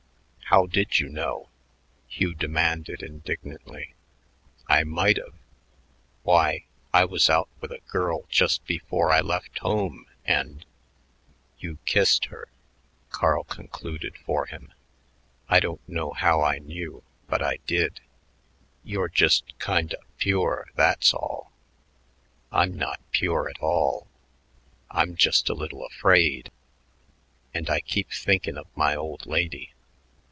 "How did you know?" Hugh demanded indignantly. "I might've. Why, I was out with a girl just before I left home and " "You kissed her," Carl concluded for him. "I don't know how I knew, but I did. You're just kinda pure; that's all. I'm not pure at all; I'm just a little afraid and I keep thinkin' of my old lady.